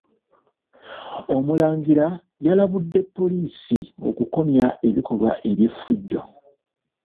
Omulangira yalabudde poliisi okukomya ebikolwa eby’efujjo.